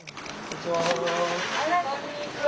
こんにちは。